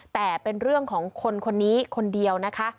แต่เป็นเรื่องของคนคนนี้คนเดียวนะคะ